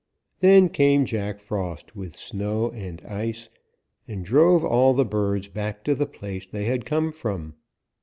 Then came Jack Frost with snow and ice and drove all the birds back to the place they had come from.